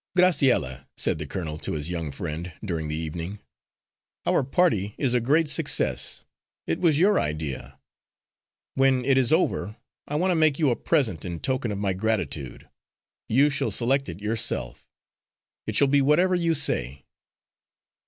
"Graciella," said the colonel to his young friend, during the evening, "our party is a great success. It was your idea. When it is all over, I want to make you a present in token of my gratitude. You shall select it yourself; it shall be whatever you say."